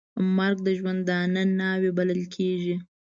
مرګ د ژوندانه ناوې بلل کېږي .